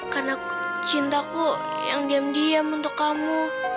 karena cintaku yang diam diam untuk kamu